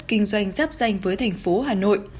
kinh doanh giáp danh với thành phố hà nội